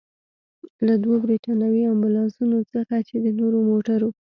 له دوو برتانوي امبولانسونو څخه، چې د نورو موټرو.